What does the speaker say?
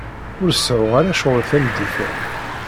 Ur seɛɛuɣ ara ccɣel tameddit-a.